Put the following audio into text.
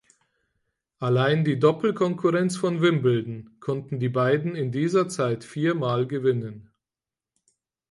Allein die Doppelkonkurrenz von Wimbledon konnten die beiden in dieser Zeit vier Mal gewinnen.